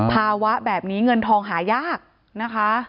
ภาวะแบบนี้เงินทองหายากนะคะ